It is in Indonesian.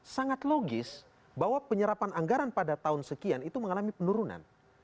sangat logis bahwa penyerapan anggaran pada tahun sekian itu mengalami penurunan